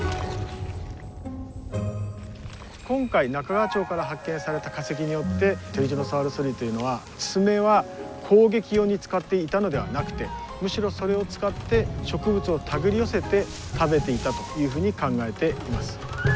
今回中川町から発見された化石によってテリジノサウルス類というのは爪は攻撃用に使っていたのではなくてむしろそれを使って植物を手繰り寄せて食べていたというふうに考えています。